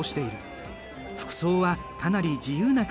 服装はかなり自由な感じだ。